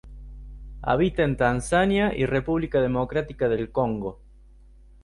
Habita en Tanzania y República Democrática del Congo.